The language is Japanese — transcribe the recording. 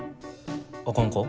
あかんか？